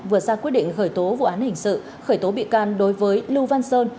vừa ra quyết định khởi tố vụ án hình sự khởi tố bị can đối với lưu văn sơn